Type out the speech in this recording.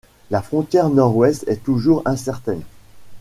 La frontière Nord-Ouest est toujours incertaine.